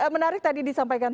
menarik tadi disampaikan